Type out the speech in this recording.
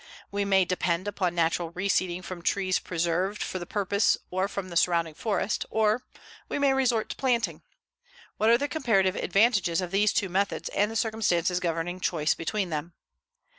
We may depend upon natural reseeding from trees preserved for the purpose or from the surrounding forest, or we may resort to planting. What are the comparative advantages of these two methods and the circumstances governing choice between them?